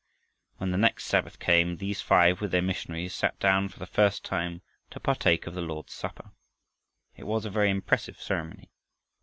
When the next Sabbath came these five with their missionary sat down for the first time to partake of the Lord's Supper. It was a very impressive ceremony.